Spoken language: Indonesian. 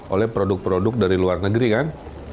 oleh produk produk dari luar negeri kan